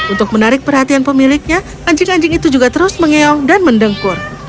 untuk menarik perhatian pemiliknya anjing anjing itu juga terus mengeong dan mendengkur